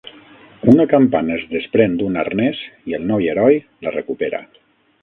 Una campana es desprèn d'un arnès i el noi heroi la recupera.